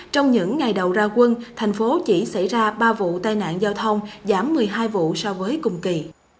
trong những ngày đầu ra quân thành phố chỉ xảy ra ba vụ tai nạn giao thông giảm một mươi hai vụ so với cùng kỳ